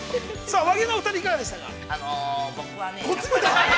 さあ和牛の２人、いかがでしたか。